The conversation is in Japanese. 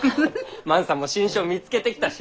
万さんも新種を見つけてきたし！